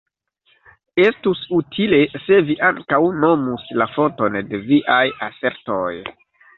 Estus utile, se vi ankaŭ nomus la fonton de viaj asertoj.